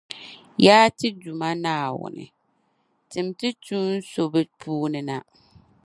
Yaa ti Duuma Naawuni! Timmi tuun’ so bɛ puuni na